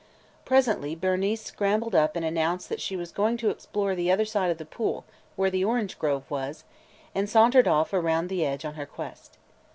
Presently Bernice scrambled up and announced that she was going to explore the other side of the pool where the orange grove was, and sauntered off around the edge on her quest.